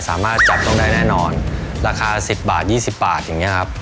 สามารถจับต้องได้แน่นอนราคาสิบบาทยี่สิบบาทอย่างเงี้ยครับ